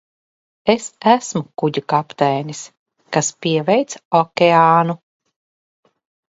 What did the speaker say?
Es esmu kuģa kapteinis, kas pieveic okeānu!